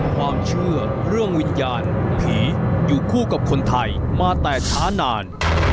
ความเชื่อเรื่องวิญญาณผีอยู่คู่กับคนไทยมาแต่ช้านาน